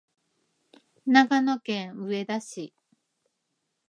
長野県上田市